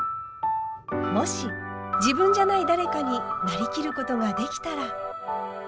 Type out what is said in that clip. もし自分じゃない誰かになりきることができたら。